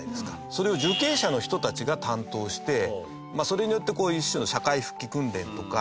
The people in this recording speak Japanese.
それを受刑者の人たちが担当してそれによって一種の社会復帰訓練とか。